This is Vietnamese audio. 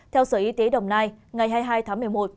theo sở y tế đồng nai ngày hai mươi hai tháng một mươi một